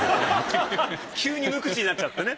急に無口になっちゃってね。